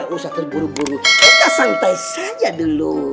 bisa terburu buru kita santai saja dulu